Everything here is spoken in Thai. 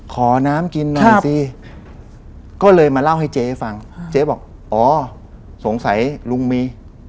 ขอน้ำกินหน่อยสิก็เลยมาเล่าให้เจ๊ฟังเจ๊บอกอ๋อสงสัยลุงมี